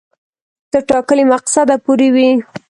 تر ټاکلي مقصده پوري وي.